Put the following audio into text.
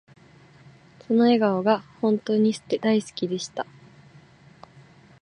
その笑顔が本とに大好きでした